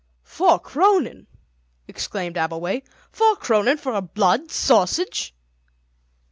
"Four kronen!" exclaimed Abbleway; "four kronen for a blood sausage!"